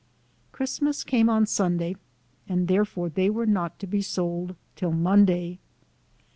Christmas came on Sunday, and therefore they were not to be sold till Monday.